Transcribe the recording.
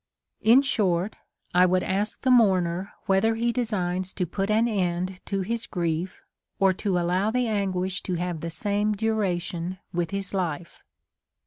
20. In short, I Avould ask the mourner whether he designs to put an end to his grief, or to allow the anguish to have the same duration with his life.